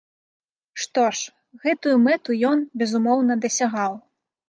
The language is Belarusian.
Што ж, гэтую мэту ён, безумоўна, дасягаў.